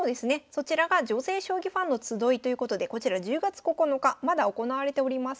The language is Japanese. そちらが「女性将棋ファンのつどい」ということでこちら１０月９日まだ行われておりません。